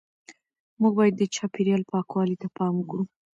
موږ باید د چاپیریال پاکوالي ته پام وکړو.